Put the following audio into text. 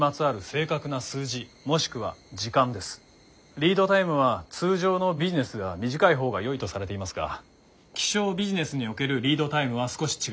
リードタイムは通常のビジネスでは短い方がよいとされていますが気象ビジネスにおけるリードタイムは少し違います。